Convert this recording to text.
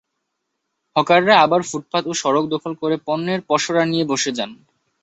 হকাররা আবার ফুটপাত ও সড়ক দখল করে পণ্যের পসরা নিয়ে বসে যান।